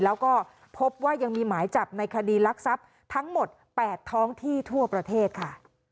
แล้วก็พบว่ายังมีหมายจับในคดีรักทรัพย์ทั้งหมด๘ท้องที่ทั่วประเทศค่ะ